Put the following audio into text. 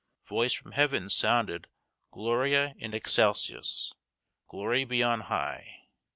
Voice from heaven sounded, Gloria in Excelsis, Glory be on high.